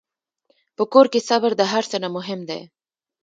په کور کې صبر د هر څه نه مهم دی.